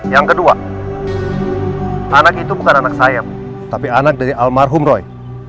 yang kedua anak itu bukan anak saya tapi anak dari almarhum roy